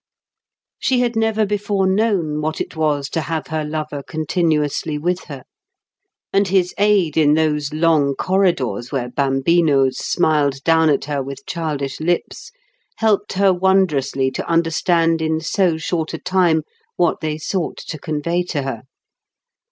She had never before known what it was to have her lover continuously with her. And his aid in those long corridors, where Bambinos smiled down at her with childish lips, helped her wondrously to understand in so short a time what they sought to convey to her.